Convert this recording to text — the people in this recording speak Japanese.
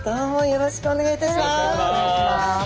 よろしくお願いします。